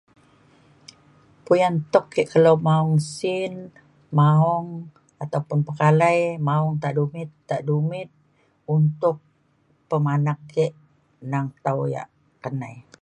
puyan tuk ke kelo maong sin maong ataupun pekalei maong ta dumit ta dumit untuk pemanak ke nang tau ia ka nai